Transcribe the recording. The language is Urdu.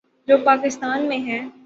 جو پاکستان میں ہے۔